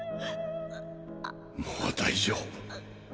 もう大丈夫。